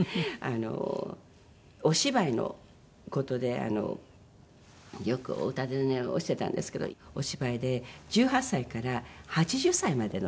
お芝居の事でよくお尋ねをしてたんですけどお芝居で１８歳から８０歳までの役だったんですね。